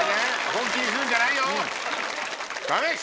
本気にするんじゃないよ！